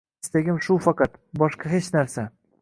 Istagim shu faqat, boshqa hech narsa”.